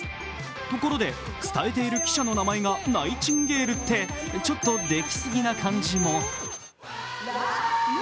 ところで伝えている記者の名前がナイチンゲールって、ちょっと出来すぎな感じも。